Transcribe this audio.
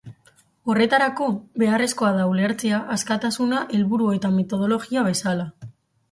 Horretarako, beharrezkoa da ulertzea askatasuna helburu eta metodologia bezala.